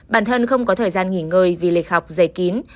bản thân không có thời gian nghỉ ngơi vì lịch học dày kín